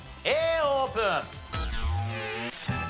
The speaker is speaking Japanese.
Ａオープン。